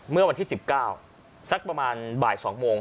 เมื่อวันที่สิบเก้าสักประมาณบ่ายสองโมง